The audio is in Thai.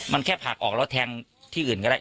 มันแค่ผักออกแล้วแทงที่อื่นก็ได้